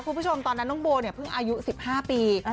คุณผู้ชมตอนนั้นน้องโบเนี่ยเพิ่งอายุ๑๕ปี